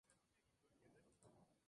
Contrajo matrimonio con Arturo Lorenzo.